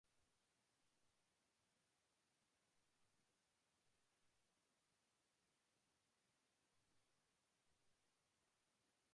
Some of the ships were equipped with three ship cranes arranged amidships.